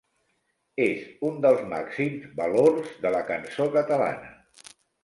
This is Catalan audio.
És un dels màxims valors de la cançó catalana.